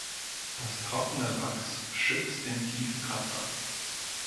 Das trockene Wachs schützt den tiefen Kratzer.